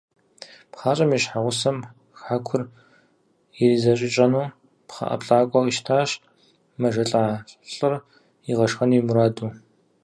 ПхъащӀэм и щхьэгъусэм хьэкур иризэщӀищӀэну пхъэ ӀэплӀакӀуэ къищтащ, мэжэлӀа лӀыр игъэшхэну и мураду.